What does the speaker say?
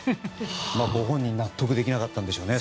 ご本人、そこは納得できなかったんでしょうね。